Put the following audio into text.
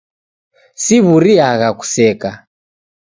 Siw'uriagha kuseka.